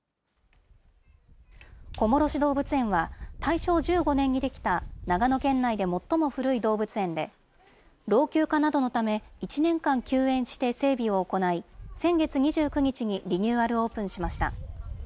小諸市動物園は、大正１５年に出来た長野県内で最も古い動物園で、老朽化などのため、１年間休園して整備を行い、先月２９日にリニューアルオープンしました。